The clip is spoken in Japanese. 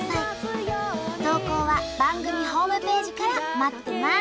投稿は番組ホームページから待ってます！